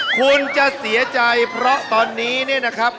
คุณจะเสียใจเพราะตอนนี้เนี่ยนะครับ